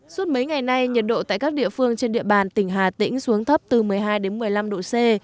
suốt mấy ngày nay nhiệt độ tại các địa phương trên địa bàn tỉnh hà tĩnh xuống thấp từ một mươi hai đến một mươi năm độ c